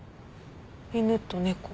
犬と猫。